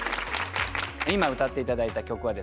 今歌って頂いた曲はですね